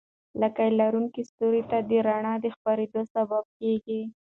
لکۍ لرونکي ستوري د رڼا د خپرېدو سبب کېږي.